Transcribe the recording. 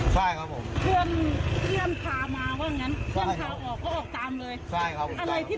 ใช่ครับผม